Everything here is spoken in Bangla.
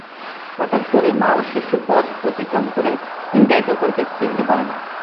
হঠাৎ করে মা ও শিশু পথ অতিক্রম করে, কিন্তু একে অপরকে চিনতে পারে না।